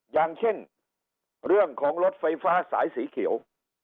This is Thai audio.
อย่างเช่นเรื่องของรถไฟฟ้าสายสีเขียว